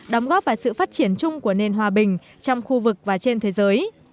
đóng góp vào sự phát triển chung của nền hòa bình trong khu vực và trên thế giới